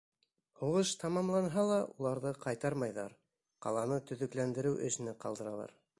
Һуғыш тамамланһа ла, уларҙы ҡайтармайҙар: ҡаланы төҙөкләндереү эшенә ҡалдыралар.